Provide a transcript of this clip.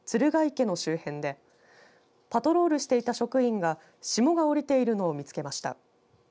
池の周辺でパトロールしていた職員が霜が降りているのを見つけました。